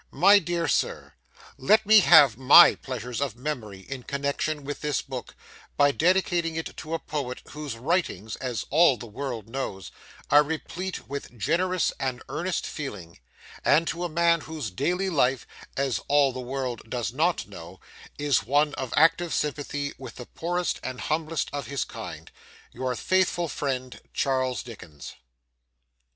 MY DEAR SIR, Let me have my Pleasures of Memory in connection with this book, by dedicating it to a Poet whose writings (as all the world knows) are replete with generous and earnest feeling; and to a man whose daily life (as all the world does not know) is one of active sympathy with the poorest and humblest of his kind. Your faithful friend, CHARLES DICKENS.